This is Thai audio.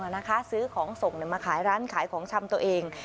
นะคะซื้อของส่งมาขายร้านขายของชำตัวเอง